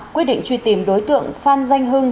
quyết định truy tìm đối tượng phan danh hưng